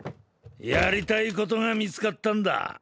やりたいことが見つかったんだ。